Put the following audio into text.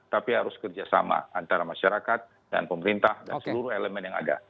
tapi harus kerjasama antara masyarakat dan pemerintah dan seluruh elemen yang ada